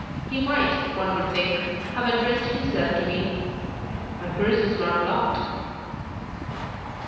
He might, one would think, have addressed himself to me; my purse is not locked."